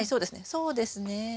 そうですね。